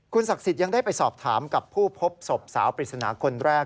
ศักดิ์สิทธิ์ยังได้ไปสอบถามกับผู้พบศพสาวปริศนาคนแรก